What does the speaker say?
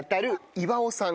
岩生さん